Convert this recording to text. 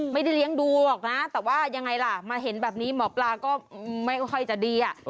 ไม่ได้เลี้ยงดูหรอกนะแต่ว่ายังไงล่ะมาเห็นแบบนี้หมอปลาก็ไม่ค่อยจะดี